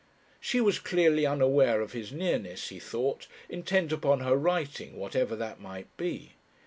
She was clearly unaware of his nearness, he thought, intent upon her writing, whatever that might be.